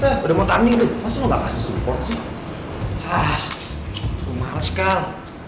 hah gue males kal